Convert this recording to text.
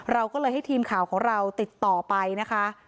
เราก็เลยให้ทีมข่าวของเราติดต่อไปนะคะ